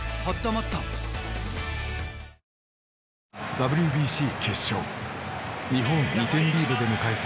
ＷＢＣ決勝日本２点リードで迎えた